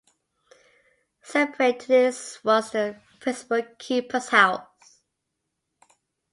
Separate to this was the Principal Keeper's House.